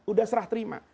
udah serah terima